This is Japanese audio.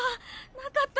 なかった。